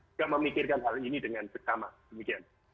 tidak memikirkan hal ini dengan bersama